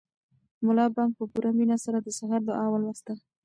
ملا بانګ په پوره مینه سره د سهار دعا ولوسته.